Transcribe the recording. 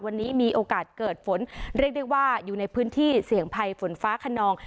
วันนี้มีโอกาสเกิดฝนเรียกได้ว่าอยู่ในพื้นที่เสี่ยงภัยฝนฟ้าขนอง